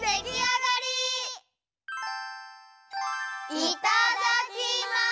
いただきます！